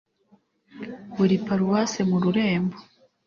buri paruwase mu Rurembo